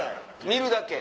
見るだけ。